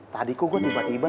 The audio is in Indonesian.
tadiku gue tiba tiba